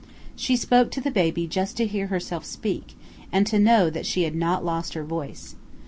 She spoke to the baby just to hear herself speak, and to know that she had not lost her voice.